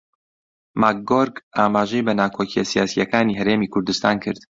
ماکگۆرک ئاماژەی بە ناکۆکییە سیاسییەکانی هەرێمی کوردستان کرد